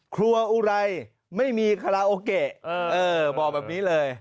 ครัวอุไรไม่มีคาราโอเกะบอกแบบนี้เลย